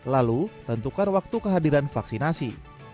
lalu tentukan waktu kehadiran vaksinasi